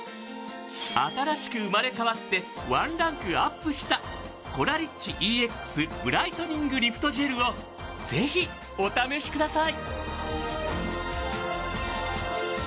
新しく生まれ変わってワンランクＵＰしたコラリッチＥＸブライトニングリフトジェルをぜひお試しください。